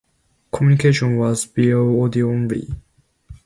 Communication was via audio only.